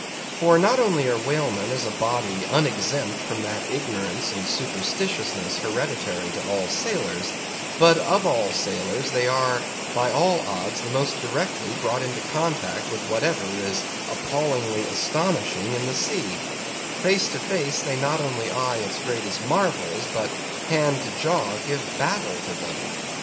For not only are whalemen as a body unexempt from that ignorance and superstitiousness hereditary to all sailors; but of all sailors, they are by all odds the most directly brought into contact with whatever is appallingly astonishing in the sea; face to face they not only eye its greatest marvels, but, hand to jaw, give battle to them.